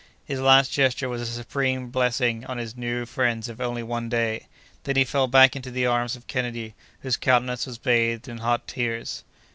His last gesture was a supreme blessing on his new friends of only one day. Then he fell back into the arms of Kennedy, whose countenance was bathed in hot tears.